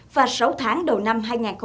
và sáu tháng đầu năm hai nghìn một mươi bảy